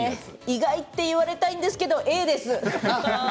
意外って言われたいんですけどＡです。